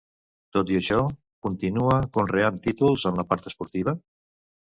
Tot i això, continua conreant títols en la part esportiva?